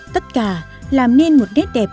tất cả làm nên một nét đẹp